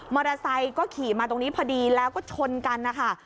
อเตอร์ไซค์ก็ขี่มาตรงนี้พอดีแล้วก็ชนกันนะคะ